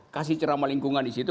kasih ceramah lingkungan di situ